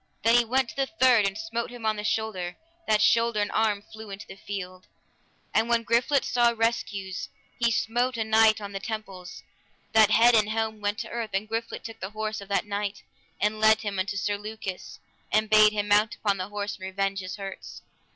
Then he went to the third and smote him on the shoulder, that shoulder and arm flew in the field. And when Griflet saw rescues, he smote a knight on the temples, that head and helm went to the earth, and Griflet took the horse of that knight, and led him unto Sir Lucas, and bade him mount upon the horse and revenge his hurts.